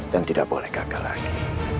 dan tidak boleh gagal lagi